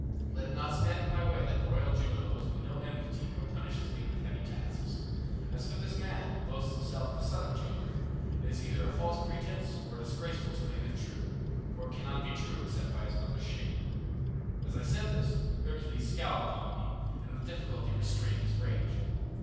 Let it not stand in my way that royal Juno owes me no enmity nor punishes me with heavy tasks. As for this man, who boasts himself the son of Jove, it is either a false pretence, or disgraceful to him if true, for it cannot be true except by his mother's shame.' As I said this Hercules scowled upon me, and with difficulty restrained his rage.